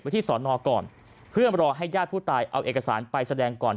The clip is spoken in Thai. ที่สอนอก่อนเพื่อรอให้ญาติผู้ตายเอาเอกสารไปแสดงก่อน